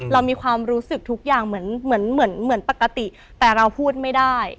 เรามีความรู้สึกทุกอย่างเหมือนเหมือนปกติแต่เราพูดไม่ได้